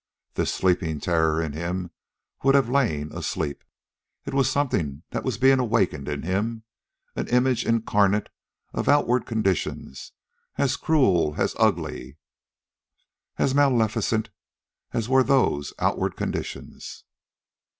This sleeping terror in him would have lain asleep. It was something that was being awakened in him, an image incarnate of outward conditions, as cruel, as ugly, as maleficent as were those outward conditions.